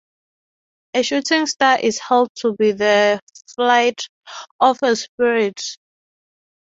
A shooting star is held to be the flight of a spirit.